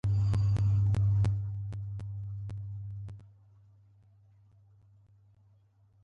ډاکتر ګېلاس ورواخيست.